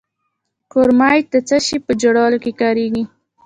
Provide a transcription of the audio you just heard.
کرومایټ د څه شي په جوړولو کې کاریږي؟